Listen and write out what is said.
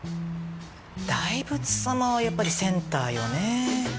大仏様はやっぱりセンターよね。